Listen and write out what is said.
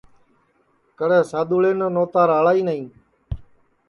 کڑے سادؔوݪین نوتا راݪا ہی نائی